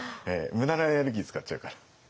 無駄なエネルギー使っちゃうから。